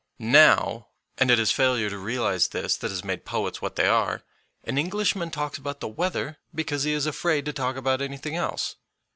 Now, and it is failure to realize this that has made poets what they are, an Englishman talks about the weather because he is afraid to talk about anything else.